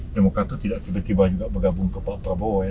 demokrat itu tidak tiba tiba juga bergabung ke pak prabowo ya